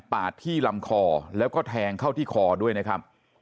ที่ลำคอแล้วก็แทงเข้าที่คอด้วยนะครับ